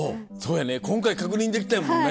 今回確認できたやもんね。